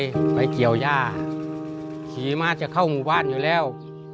ไปเกี่ยวย่าขี่มาจะเข้าหมู่บ้านอยู่แล้ว